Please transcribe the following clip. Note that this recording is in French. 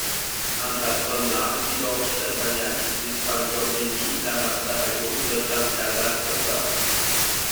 András Bodnár, Tibor Cservenyák, István Görgényi, Tamás Faragó, Zoltán Kásás, Dr.